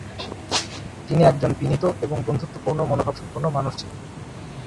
তিনি একজন বিনীত এবং বন্ধুত্বপূর্ণ মনোভাব সম্পন্ন মানুষ ছিলেন।